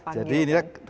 jadi ini lah